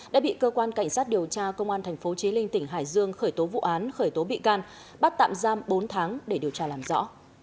đã bị cơ quan cảnh sát điều tra công an thành phố trí linh tỉnh hải dương khởi tố vụ án khởi tố bị can bắt tạm giam bốn tháng để điều tra làm rõ